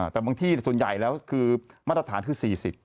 แต่บางที่ส่วนใหญ่แล้วคือมาตรฐานคือ๔๐